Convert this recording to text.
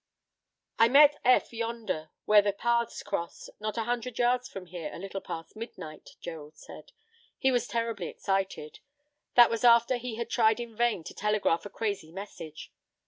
"I met Eph yonder where the paths cross, not a hundred yards from here, a little past midnight," Gerald said. "He was terribly excited. That was after he had tried in vain to telegraph a crazy message.